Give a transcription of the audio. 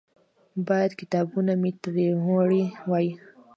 باید کتابونه مې ترې وړي وای.